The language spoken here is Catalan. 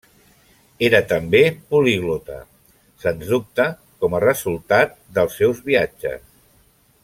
Era també poliglota, sens dubte com a resultat dels seus viatges.